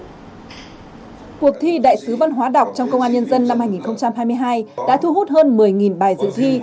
cuộc thi đại sứ văn hóa đọc trong công an nhân dân năm hai nghìn hai mươi hai đã thu hút hơn một mươi bài dự thi